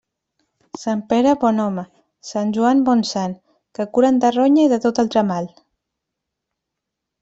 Sant Pere bon home, Sant Joan bon sant, que curen de ronya i de tot altre mal.